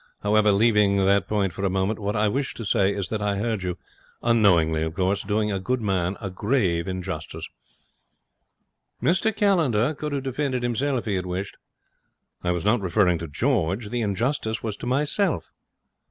However, leaving that point for a moment, what I wish to say is that I heard you unknowingly, of course doing a good man a grave injustice.' 'Mr Callender could have defended himself if he had wished.' 'I was not referring to George. The injustice was to myself.'